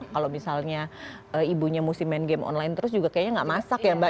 kalau misalnya ibunya mesti main game online terus juga kayaknya nggak masak ya mbak